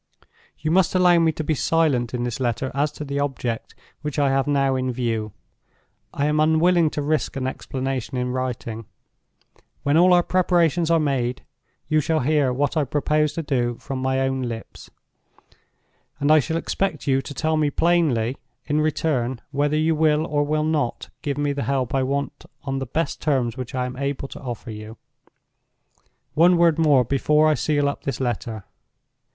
"You must allow me to be silent in this letter as to the object which I have now in view. I am unwilling to risk an explanation in writing. When all our preparations are made, you shall hear what I propose to do from my own lips; and I shall expect you to tell me plainly, in return, whether you will or will not give me the help I want on the best terms which I am able to offer you. "One word more before I seal up this letter.